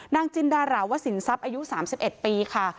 จินดาราวสินทรัพย์อายุ๓๑ปีค่ะ